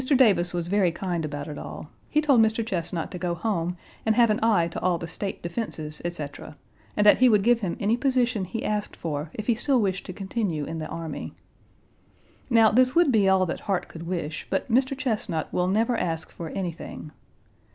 Davis was very kind about it all. He told Mr. Chesnut to go home and have an eye to all the State defenses, etc., and that he would give him any position he asked for if he still wished to continue in the army. Now, this would be all that heart could wish, but Mr. Chesnut will never ask for anything.